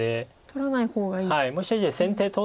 取らない方がいいと。